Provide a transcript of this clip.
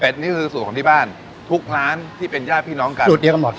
เป๊ะนี้คือสูตรของที่บ้านทุกร้านที่เป็นญาติพี่น้องกัน